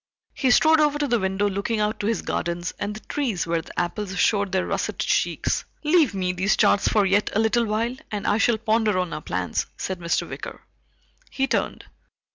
He strode over to the window looking out to his gardens and the trees where the apples showed their russet cheeks. "Leave me these charts for yet a little while, and I shall ponder on our plans," said Mr. Wicker. He turned.